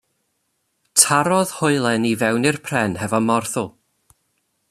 Tarodd hoelan i fewn i'r pren hefo mwrthwl.